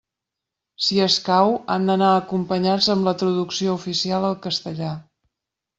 Si escau, han d'anar acompanyats amb la traducció oficial al castellà.